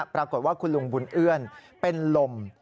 ปรากฏว่าคุณลุงบุญเอื้อนเป็นลม